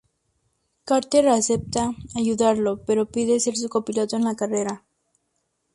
Carter acepta ayudarlo, pero pide ser su copiloto en la carrera.